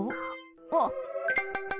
あっ。